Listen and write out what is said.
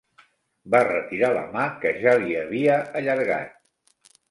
Va retirar la mà que ja li havia allargat.